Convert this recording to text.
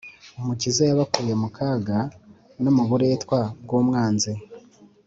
umukiza yabakuye mu kaga no mu buretwa bw'umwanzi